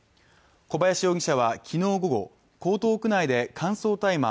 小林容疑者は昨日午後江東区内で乾燥大麻